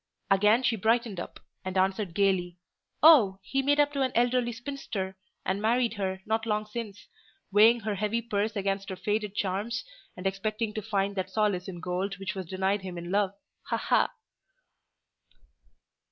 Again she brightened up, and answered gaily—"Oh! he made up to an elderly spinster, and married her, not long since; weighing her heavy purse against her faded charms, and expecting to find that solace in gold which was denied him in love—ha, ha!"